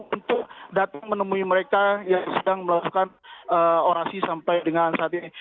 untuk datang menemui mereka yang sedang melakukan orasi sampai dengan saat ini